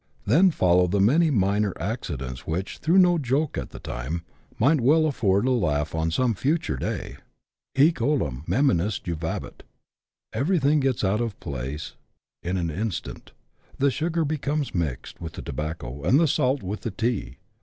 Then follow the many minor accidents which, though no joke at the time, migiit well afford a laugh on some future day, —*' Hsec olim meminisse juvabit." Everything gets out of place in an instant ; the sugar becomes mixed with the tobacco, and the salt with the tea.